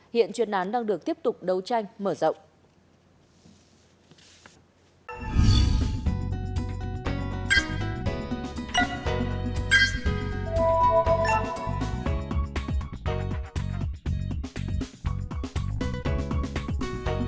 hiện chuyên án đang được tiếp tục đấu tranh mở rộng